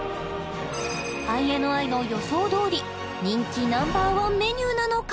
ＩＮＩの予想どおり人気Ｎｏ．１メニューなのか？